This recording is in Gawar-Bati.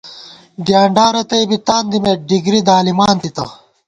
ڈیانڈا رتئ بی تاندِمېت ، ڈِگری دالِمانتِتہ